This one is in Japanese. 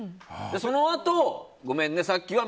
そのあと、ごめんね、さっきは。